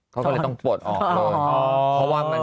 เขาก็เลยต้องปลดออกเลย